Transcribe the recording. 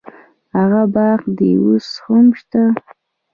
هغه باغ دې اوس هم شته.